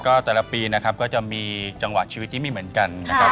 ก็แต่ละปีนะครับก็จะมีจังหวะชีวิตที่ไม่เหมือนกันนะครับ